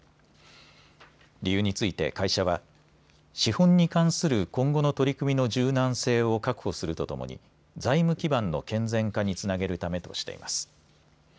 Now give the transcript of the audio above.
理由について会社は資本に関する今後の取り組みの柔軟性を確保するとともに財務基盤の健全化につなげるためとしています。